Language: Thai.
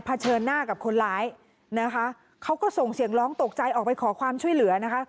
เฉินหน้ากับคนร้ายนะคะเขาก็ส่งเสียงร้องตกใจออกไปขอความช่วยเหลือนะคะ